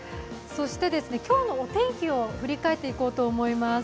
今日のお天気を振り返っていこうと思います。